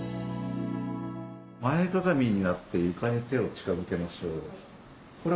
前かがみになって床に手を近づけましょう。